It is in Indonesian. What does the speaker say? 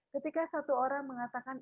ketika satu orang mengatakan